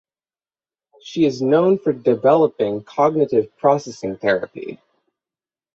She is known for developing cognitive processing therapy.